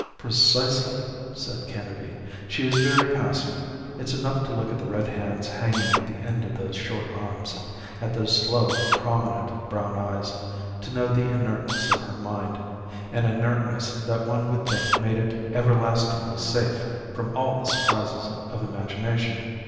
"Precisely," said Kennedy. "She is very passive. It's enough to look at the red hands hanging at the end of those short arms, at those slow, prominent brown eyes, to know the inertness of her mind an inertness that one would think made it everlastingly safe from all the surprises of imagination.